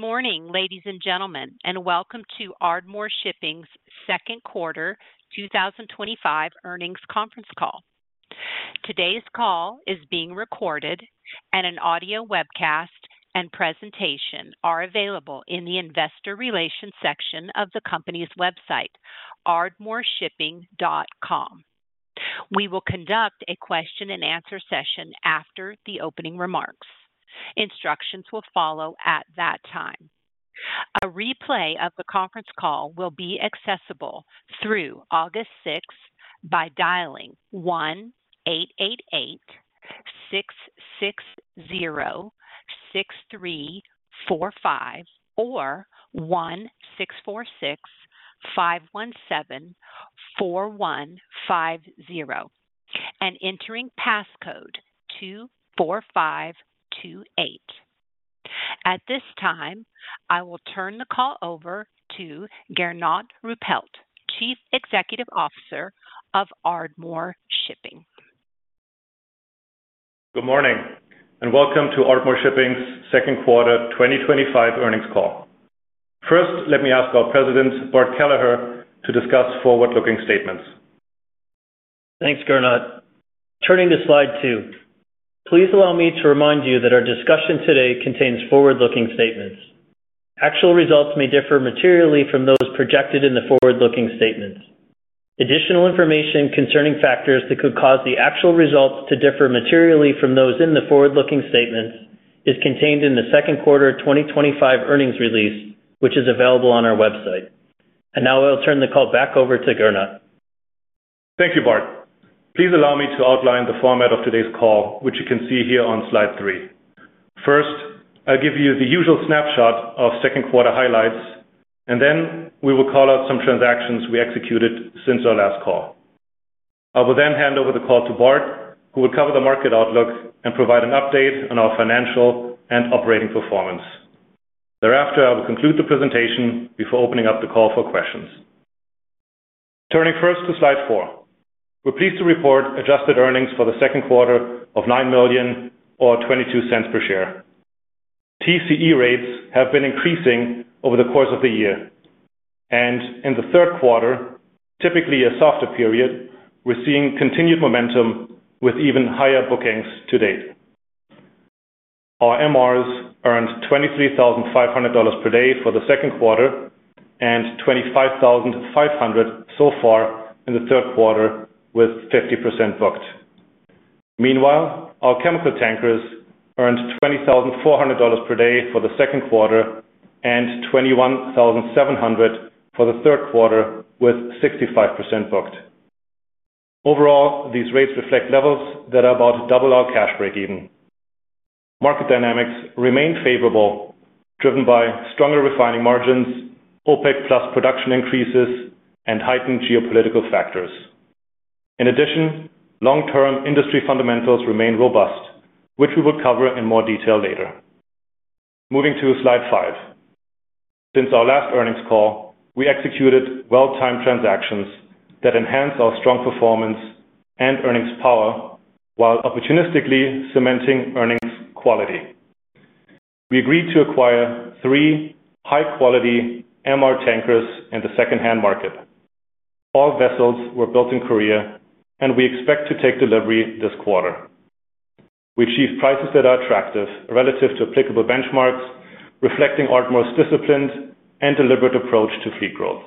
Good morning, ladies and gentlemen, and Welcome to Ardmore Shipping Second Quarter 2025 earnings conference call. Today's call is being recorded, and an audio webcast and presentation are available in the investor relations section of the company's website, ardmoreshipping.com. We will conduct a question and answer session after the opening remarks. Instructions will follow at that time. A replay of the conference call will be accessible through August 6 by dialing 1-888-660-6345 or 1-646-517-4150 and entering passcode 24528. At this time, I will turn the call over to Gernot Ruppelt, Chief Executive Officer of Ardmore Shipping. Good morning and Welcome to Ardmore Shipping Second Quarter 2025 earnings call. First, let me ask our President, Bart Kelleher, to discuss forward-looking statements. Thanks, Gernot. Turning to slide two. Please allow me to remind you that our discussion today contains forward-looking statements. Actual results may differ materially from those projected in the forward-looking statements. Additional information concerning factors that could cause the actual results to differ materially from those in the forward-looking statements is contained in the second quarter 2025 earnings release, which is available on our website. I'll turn the call back over to Gernot. Thank you, Bart. Please allow me to outline the format of today's call, which you can see here on slide three. First, I'll give you the usual snapshot of second quarter highlights, and then we will call out some transactions we executed since our last call. I will then hand over the call to Bart, who will cover the market outlook and provide an update on our financial and operating performance. Thereafter, I will conclude the presentation before opening up the call for questions. Turning first to slide four, we're pleased to report adjusted earnings for the second quarter of $9 million or $0.22 per share. TCE rates have been increasing over the course of the year, and in the third quarter, typically a softer period, we're seeing continued momentum with even higher bookings to date. Our MR tankers earned $23,500 per day for the second quarter and $25,500 so far in the third quarter with 50% booked. Meanwhile, our chemical tankers earned $20,400 per day for the second quarter and $21,700 for the third quarter with 65% booked. Overall, these rates reflect levels that are about double our cash break-even. Market dynamics remain favorable, driven by stronger refining margins, OPEC+ production increases, and heightened geopolitical factors. In addition, long-term industry fundamentals remain robust, which we will cover in more detail later. Moving to slide five. Since our last earnings call, we executed well-timed transactions that enhance our strong performance and earnings power while opportunistically cementing earnings quality. We agreed to acquire three high-quality MR tankers in the second-hand market. All vessels were built in Korea, and we expect to take delivery this quarter. We achieved prices that are attractive relative to applicable benchmarks, reflecting Ardmore Shipping Corporation's disciplined and deliberate approach to fleet growth.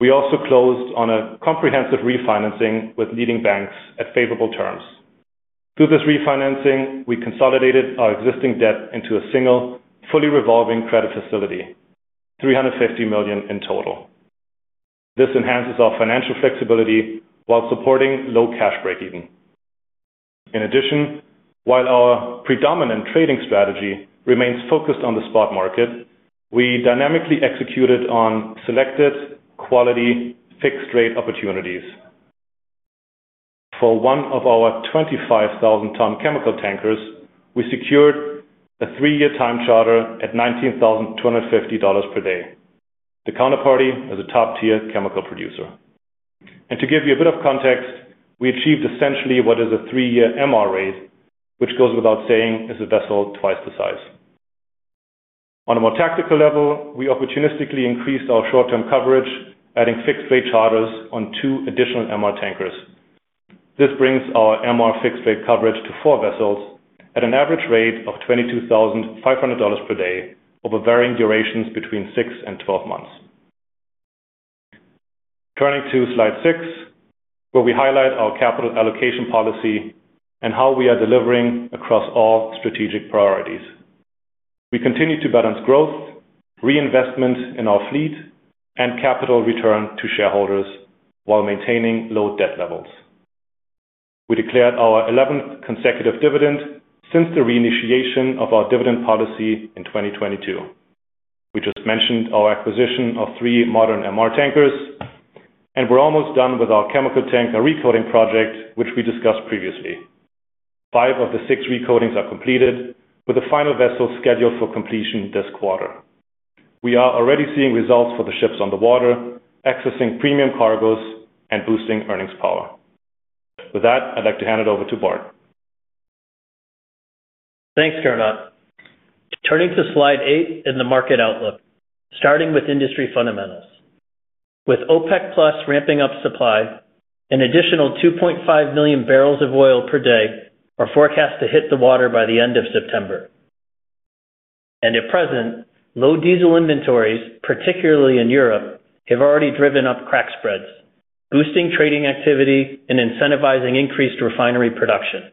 We also closed on a comprehensive refinancing with leading banks at favorable terms. Through this refinancing, we consolidated our existing debt into a single, fully revolving credit facility, $350 million in total. This enhances our financial flexibility while supporting low cash break-even. In addition, while our predominant trading strategy remains focused on the spot market, we dynamically executed on selected quality fixed-rate opportunities. For one of our 25,000-ton chemical tankers, we secured a three-year time charter at $19,250 per day. The counterparty is a top-tier chemical producer. To give you a bit of context, we achieved essentially what is a three-year MR rate, which goes without saying is a vessel twice the size. On a more tactical level, we opportunistically increased our short-term coverage, adding fixed-rate charters on two additional MR tankers. This brings our MR fixed-rate coverage to four vessels at an average rate of $22,500 per day over varying durations between six and 12 months. Turning to slide six, where we highlight our capital allocation policy and how we are delivering across all strategic priorities. We continue to balance growth, reinvestment in our fleet, and capital return to shareholders while maintaining low debt levels. We declared our 11th consecutive dividend since the reinitiation of our dividend policy in 2022. We just mentioned our acquisition of three modern MR tankers, and we're almost done with our chemical tanker recoding project, which we discussed previously. Five of the six recodings are completed, with the final vessel scheduled for completion this quarter. We are already seeing results for the ships on the water, accessing premium cargos, and boosting earnings power. With that, I'd like to hand it over to Bart. Thanks, Gernot. Turning to slide eight in the market outlook, starting with industry fundamentals. With OPEC+ ramping up supplies, an additional 2.5 million bbl of oil per day are forecast to hit the water by the end of September. At present, low diesel inventories, particularly in Europe, have already driven up crack spreads, boosting trading activity and incentivizing increased refinery production.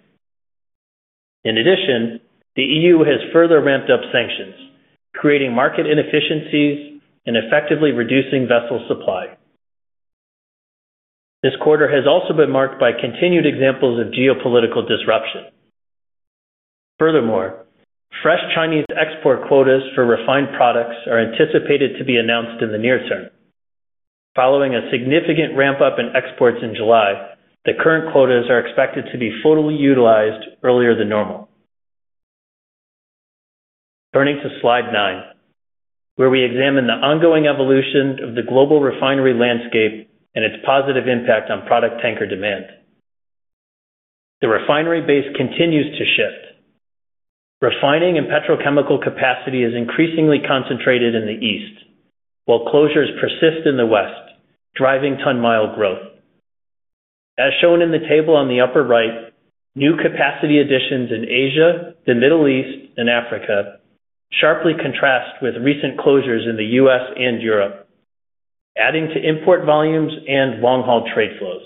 In addition, the EU has further ramped up sanctions, creating market inefficiencies and effectively reducing vessel supply. This quarter has also been marked by continued examples of geopolitical disruption. Furthermore, fresh Chinese export quotas for refined products are anticipated to be announced in the near term. Following a significant ramp-up in exports in July, the current quotas are expected to be fully utilized earlier than normal. Turning to slide nine, where we examine the ongoing evolution of the global refinery landscape and its positive impact on product tanker demand. The refinery base continues to shift. Refining and petrochemical capacity is increasingly concentrated in the East, while closures persist in the West, driving ton-mile growth. As shown in the table on the upper right, new capacity additions in Asia, the Middle East, and Africa sharply contrast with recent closures in the U.S. and Europe, adding to import volumes and long-haul trade flows.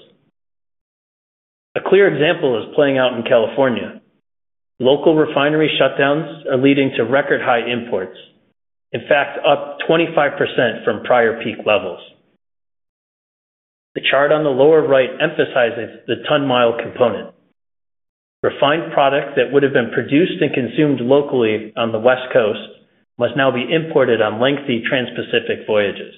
A clear example is playing out in California. Local refinery shutdowns are leading to record-high imports, in fact, up 25% from prior peak levels. The chart on the lower right emphasizes the ton-mile component. Refined product that would have been produced and consumed locally on the West Coast must now be imported on lengthy transpacific voyages.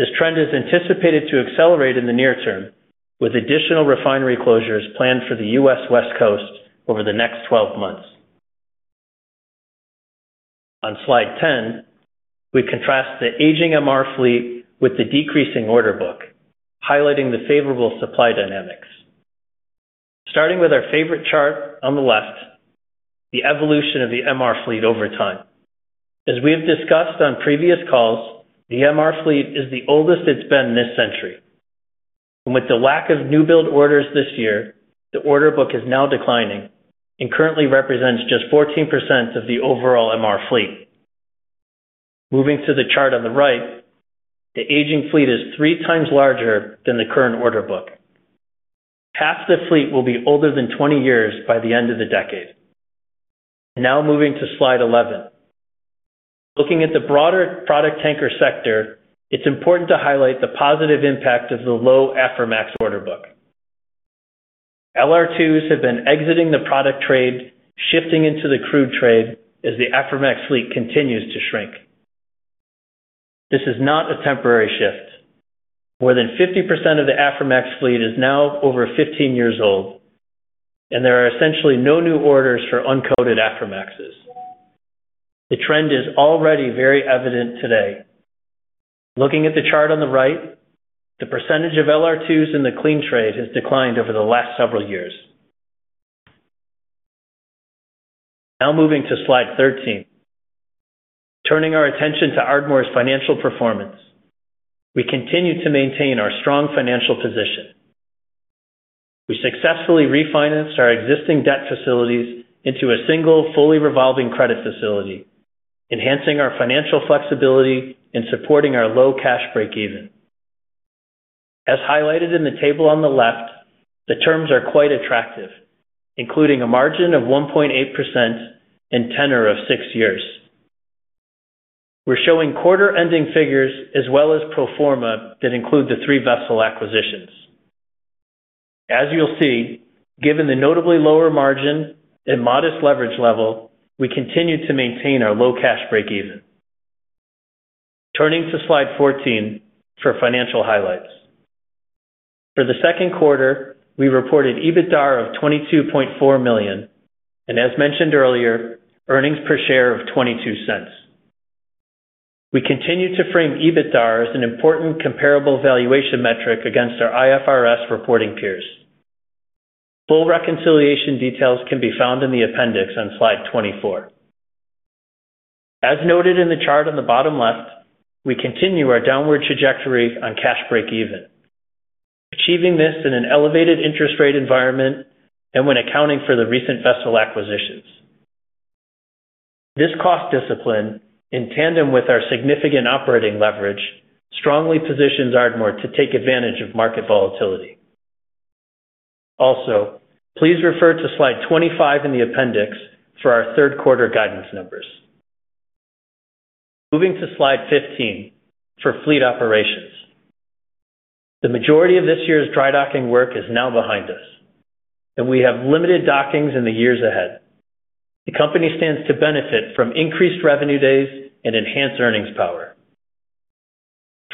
This trend is anticipated to accelerate in the near term, with additional refinery closures planned for the U.S. West Coast over the next 12 months. On slide ten, we contrast the aging MR fleet with the decreasing order book, highlighting the favorable supply dynamics. Starting with our favorite chart on the left, the evolution of the MR fleet over time. As we have discussed on previous calls, the MR fleet is the oldest it's been this century. With the lack of new build orders this year, the order book is now declining and currently represents just 14% of the overall MR fleet. Moving to the chart on the right, the aging fleet is three times larger than the current order book. Half the fleet will be older than 20 years by the end of the decade. Now moving to slide 11. Looking at the broader product tanker sector, it's important to highlight the positive impact of the low Aframax order book. LR2s have been exiting the product trade, shifting into the crude trade as the Aframax fleet continues to shrink. This is not a temporary shift. More than 50% of the Aframax fleet is now over 15 years old, and there are essentially no new orders for uncoated Aframaxes. The trend is already very evident today. Looking at the chart on the right, the percentage of LR2s in the clean trade has declined over the last several years. Now moving to slide 13. Turning our attention to Ardmore financial performance, we continue to maintain our strong financial position. We successfully refinanced our existing debt facilities into a single, fully revolving credit facility, enhancing our financial flexibility and supporting our low cash break-even. As highlighted in the table on the left, the terms are quite attractive, including a margin of 1.8% and tenure of six years. We're showing quarter-ending figures as well as pro forma that include the three-vessel acquisitions. As you'll see, given the notably lower margin and modest leverage level, we continue to maintain our low cash break-even. Turning to slide 14 for financial highlights. For the second quarter, we reported EBITDA of $22.4 million, and as mentioned earlier, earnings per share of $0.22. We continue to frame EBITDA as an important comparable valuation metric against our IFRS reporting peers. Full reconciliation details can be found in the appendix on slide 24. As noted in the chart on the bottom left, we continue our downward trajectory on cash break-even, achieving this in an elevated interest rate environment and when accounting for the recent vessel acquisitions. This cost discipline, in tandem with our significant operating leverage, strongly positions Ardmore to take advantage of market volatility. Also, please refer to slide 25 in the appendix for our third quarter guidance numbers. Moving to slide 15 for fleet operations. The majority of this year's drydocking work is now behind us, and we have limited dockings in the years ahead. The company stands to benefit from increased revenue days and enhanced earnings power.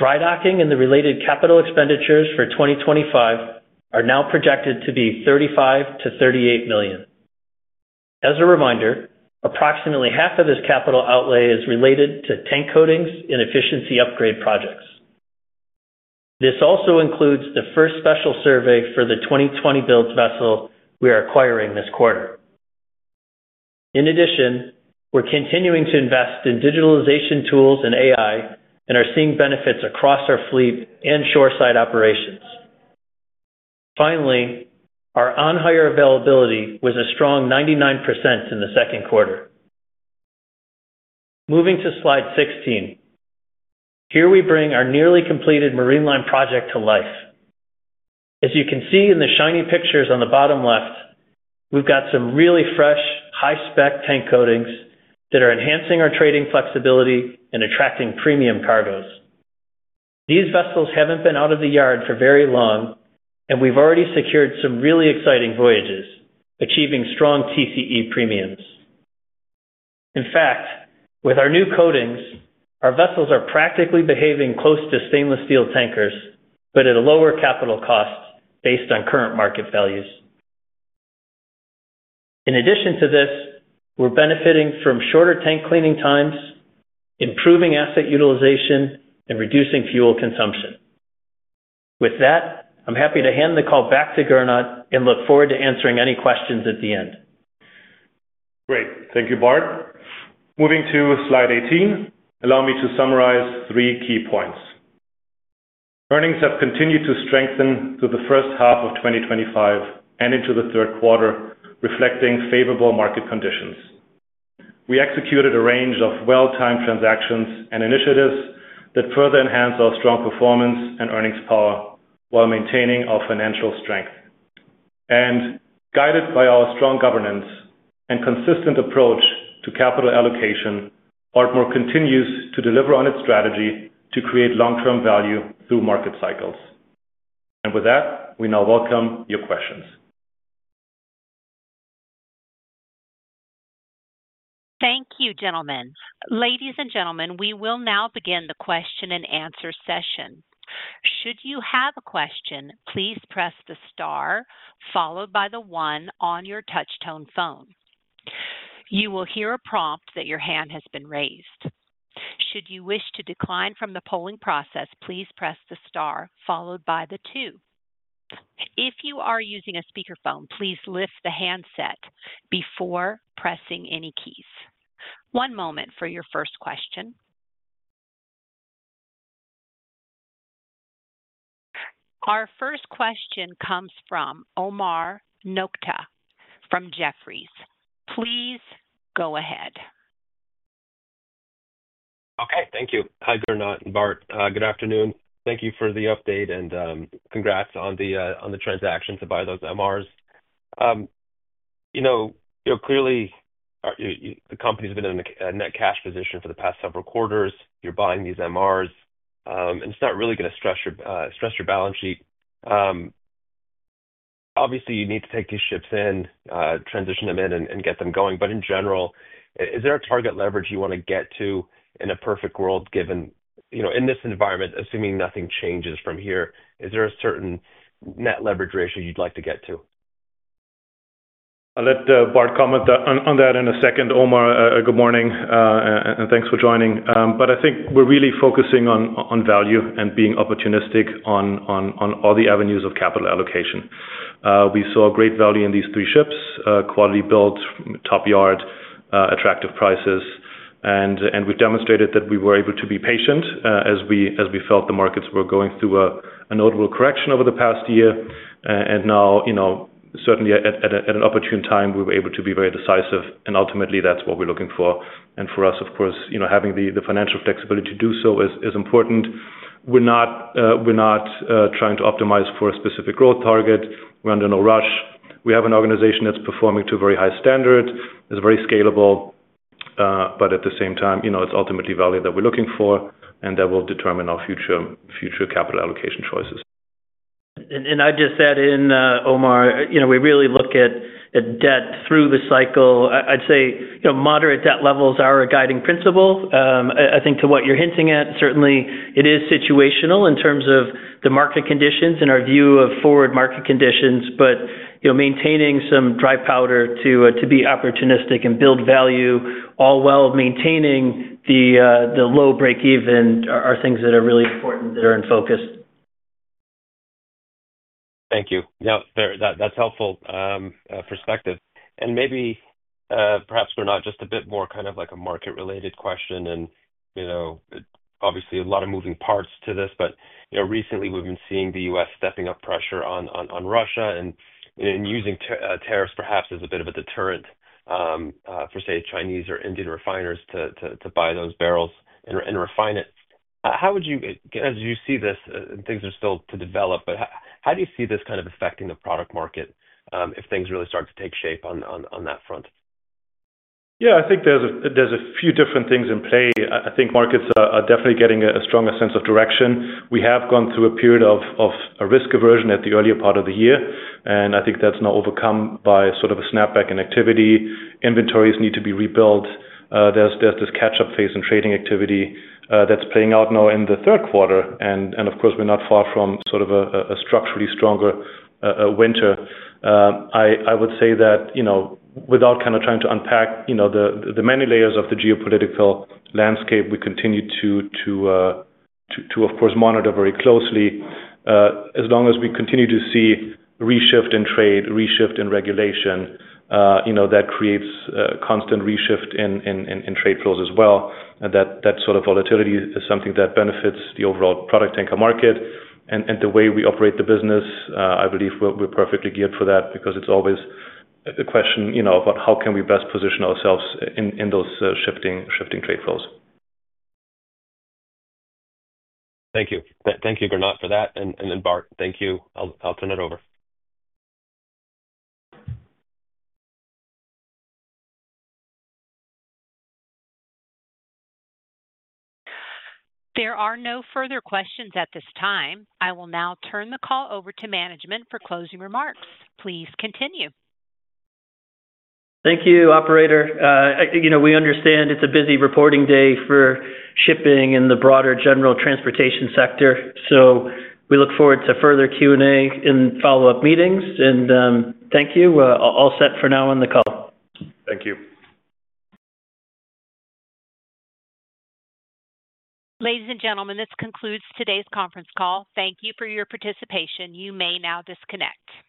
Drydocking and the related capital expenditures for 2025 are now projected to be $35 million - $38 million. As a reminder, approximately half of this capital outlay is related to tank coatings and efficiency upgrade projects. This also includes the first special survey for the 2020 Builds vessel we are acquiring this quarter. In addition, we're continuing to invest in digitalization tools and AI and are seeing benefits across our fleet and shoreside operations. Finally, our on-hire availability was a strong 99% in the second quarter. Moving to slide 16, here we bring our nearly completed marine line project to life. As you can see in the shiny pictures on the bottom left, we've got some really fresh, high-spec tank coatings that are enhancing our trading flexibility and attracting premium cargos. These vessels haven't been out of the yard for very long, and we've already secured some really exciting voyages, achieving strong TCE premiums. In fact, with our new coatings, our vessels are practically behaving close to stainless steel tankers, but at a lower capital cost based on current market values. In addition to this, we're benefiting from shorter tank cleaning times, improving asset utilization, and reducing fuel consumption. With that, I'm happy to hand the call back to Gernot and look forward to answering any questions at the end. Great. Thank you, Bart. Moving to slide 18, allow me to summarize three key points. Earnings have continued to strengthen through the first half of 2025 and into the third quarter, reflecting favorable market conditions. We executed a range of well-timed transactions and initiatives that further enhance our strong performance and earnings power while maintaining our financial strength. Guided by our strong governance and consistent approach to capital allocation, Ardmore continues to deliver on its strategy to create long-term value through market cycles. With that, we now welcome your questions. Thank you, gentlemen. Ladies and gentlemen, we will now begin the question and answer session. Should you have a question, please press the star followed by the one on your touch-tone phone. You will hear a prompt that your hand has been raised. Should you wish to decline from the polling process, please press the star followed by the two. If you are using a speakerphone, please lift the handset before pressing any keys. One moment for your first question. Our first question comes from Omar Nokta from Jefferies. Please go ahead. Okay. Thank you. Hi, Gernot, and Bart. Good afternoon. Thank you for the update and congrats on the transactions to buy those MRs. Clearly, the company's been in a net cash position for the past several quarters. You're buying these MRs, and it's not really going to stress your balance sheet. Obviously, you need to take these ships in, transition them in, and get them going. In general, is there a target leverage you want to get to in a perfect world given, you know, in this environment, assuming nothing changes from here? Is there a certain net leverage ratio you'd like to get to? I'll let Bart Kelleher comment on that in a second. Omar, good morning, and thanks for joining. I think we're really focusing on value and being opportunistic on all the avenues of capital allocation. We saw great value in these three ships: quality builds, top yard, attractive prices, and we've demonstrated that we were able to be patient as we felt the markets were going through a notable correction over the past year. Now, certainly at an opportune time, we were able to be very decisive, and ultimately, that's what we're looking for. For us, of course, having the financial flexibility to do so is important. We're not trying to optimize for a specific growth target. We're under no rush. We have an organization that's performing to a very high standard, is very scalable, but at the same time, it's ultimately value that we're looking for and that will determine our future capital allocation choices. I'd just add in, Omar, you know, we really look at debt through the cycle. I'd say, you know, moderate debt levels are a guiding principle. I think to what you're hinting at, certainly it is situational in terms of the market conditions and our view of forward market conditions, but you know, maintaining some dry powder to be opportunistic and build value, all while maintaining the low break-even are things that are really there in focus. Thank you. Yeah, that's helpful perspective. Maybe, perhaps, Gernot, just a bit more kind of like a market-related question. Obviously, a lot of moving parts to this, but recently we've been seeing the U.S. stepping up pressure on Russia and using tariffs perhaps as a bit of a deterrent for, say, Chinese or Indian refiners to buy those barrels and refine it. How would you get, as you see this, and things are still to develop, how do you see this kind of affecting the product market if things really start to take shape on that front? Yeah. I think there's a few different things in play. I think markets are definitely getting a stronger sense of direction. We have gone through a period of risk aversion at the earlier part of the year, and I think that's now overcome by sort of a snapback in activity. Inventories need to be rebuilt. There's this catch-up phase in trading activity that's playing out now in the third quarter, and of course, we're not far from sort of a structurally stronger winter. I would say that, without kind of trying to unpack the many layers of the geopolitical landscape, we continue to, of course, monitor very closely. As long as we continue to see reshift in trade, reshift in regulation, that creates a constant reshift in trade flows as well. That sort of volatility is something that benefits the overall product tanker market and the way we operate the business. I believe we're perfectly geared for that because it's always a question about how can we best position ourselves in those shifting trade flows. Thank you. Thank you, Gernot, for that. Bart, thank you. I'll turn it over. There are no further questions at this time. I will now turn the call over to management for closing remarks. Please continue. Thank you, Operator. We understand it's a busy reporting day for shipping and the broader general transportation sector. We look forward to further Q&A in follow-up meetings, and thank you. All set for now on the call. Thank you. Ladies and gentlemen, this concludes today's conference call. Thank you for your participation. You may now disconnect.